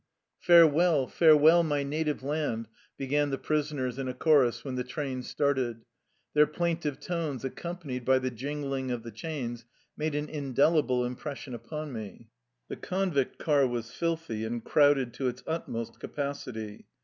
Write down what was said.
''" Farewell, farewell, my native land ..." be gan the prisoners in a chorus when the train started. Their plaintive tones accompanied by the jingling of the chains made an indelible im pression upon me. The convict car was filthy and crowded to its utmost capacity.